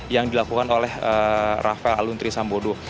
yang dilakukan oleh rafael aluntri sambodo